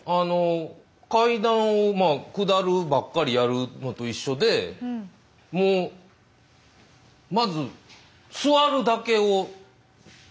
階段を下るばっかりやるのと一緒でもうまずえ？